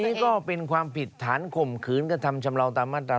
นี่ก็เป็นความผิดฐานข่มขืนกระทำชำเลาตามมาตรา๑